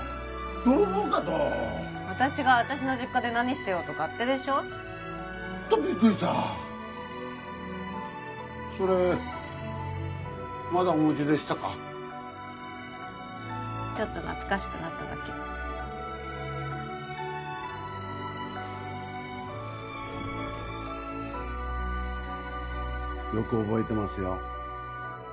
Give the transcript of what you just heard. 泥棒かと私が私の実家で何してようと勝手でしょホントびっくりしたそれまだお持ちでしたかちょっと懐かしくなっただけよく覚えてますよ